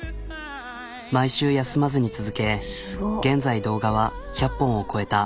毎週休まずに続け現在動画は１００本を超えた。